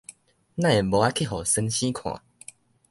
哪會無愛去予先生看？